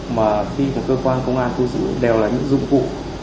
mà khi cơ quan công an thu giữ đều là những dụng cụ